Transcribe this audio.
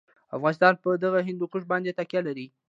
افغانستان په دغه هندوکش باندې تکیه لري.